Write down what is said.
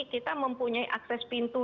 kita mempunyai akses pintu